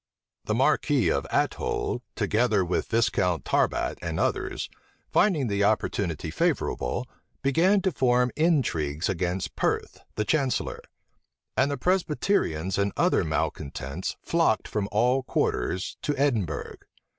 The marquis of Athole, together with Viscount Tarbat and others, finding the opportunity favorable, began to form intrigues against Perth, the chancellor; and the Presbyterians and other malecontents flocked from all quarters to Edinburgh.